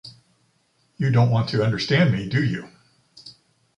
You don’t want to understand me, do you?